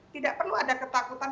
tidak perlu ada ketakutan